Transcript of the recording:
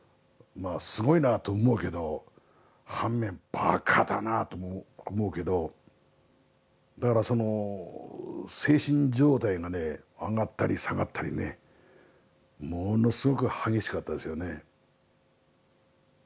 まあすごいなあと思うけど反面ばかだなぁとも思うけどだからその精神状態がね上がったり下がったりねものすごく激しかったですよね。